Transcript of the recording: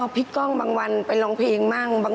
พี่ก้อยบางวันไปร้องเพลงบางวัน